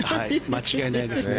間違いないですね。